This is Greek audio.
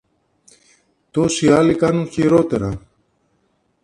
Τόσοι άλλοι κάνουν χειρότερα!